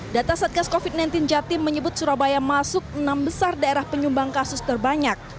data satgas covid sembilan belas jatim menyebut surabaya masuk enam besar daerah penyumbang kasus terbanyak